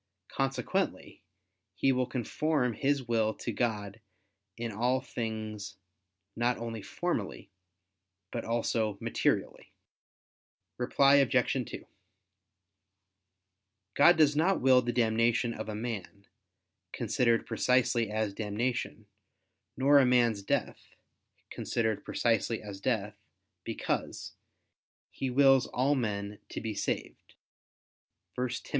Consequently he will conform his will to God in all things not only formally, but also materially. Reply Obj. 2: God does not will the damnation of a man, considered precisely as damnation, nor a man's death, considered precisely as death, because, "He wills all men to be saved" (1 Tim.